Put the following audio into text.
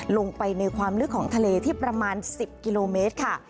ลงไปในความลึกของทะเลที่ประมาณ๑๐กิโลเมตรค่ะ